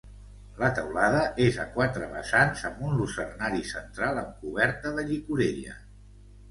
La teulada és a quatre vessants, amb un lucernari central amb coberta de llicorella.